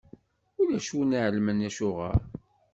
Ulac win i iɛelmen acuɣeṛ.